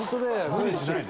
無理しないで。